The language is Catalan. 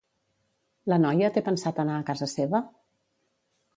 La noia té pensat anar a casa seva?